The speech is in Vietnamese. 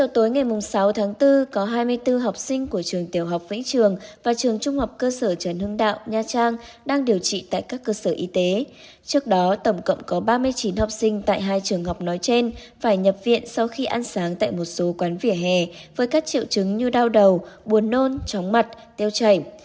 trước đó tổng cộng có ba mươi chín học sinh tại hai trường học nói trên phải nhập viện sau khi ăn sáng tại một số quán vỉa hè với các triệu chứng như đau đầu buồn nôn chóng mặt tiêu chảy